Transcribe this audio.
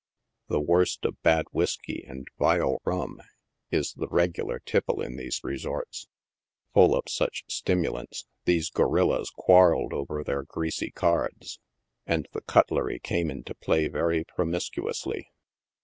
The worst of bad whiskey and vile rum is the regular tipple in these resorts. Full of such stimu lants, these gorillas quarrelled over their greasv cards, and the " cutlery" came into play very promiscuously.